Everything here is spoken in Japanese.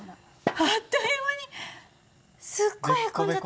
あっという間にすっごいへこんじゃった。